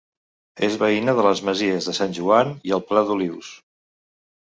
És veïna de les masies de Sant Joan i el Pla d'Olius.